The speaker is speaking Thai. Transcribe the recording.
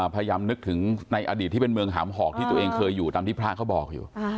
นึกถึงในอดีตที่เป็นเมืองหามหอกที่ตัวเองเคยอยู่ตามที่พระเขาบอกอยู่